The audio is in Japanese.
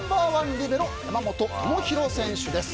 リベロ山本智大選手です。